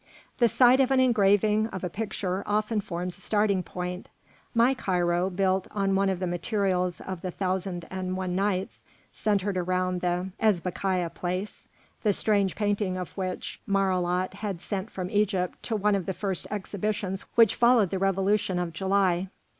The sight of an engraving, of a picture, often forms a starting point. My Cairo, built out of the materials of the "Thousand and One Nights," centred around the Ezbekîyeh Place, the strange painting of which Marilhat had sent from Egypt to one of the first exhibitions which followed the Revolution of July.